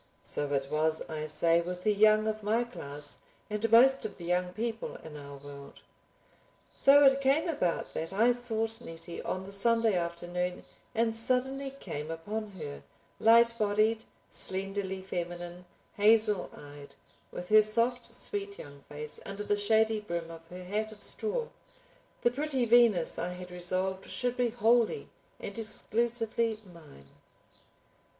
So it was, I say, with the young of my class and most of the young people in our world. So it came about that I sought Nettie on the Sunday afternoon and suddenly came upon her, light bodied, slenderly feminine, hazel eyed, with her soft sweet young face under the shady brim of her hat of straw, the pretty Venus I had resolved should be wholly and exclusively mine.